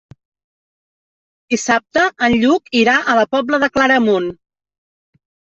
Dissabte en Lluc irà a la Pobla de Claramunt.